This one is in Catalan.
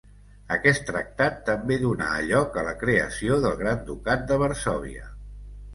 Aquest tractat també donà a lloc a la creació del Gran Ducat de Varsòvia.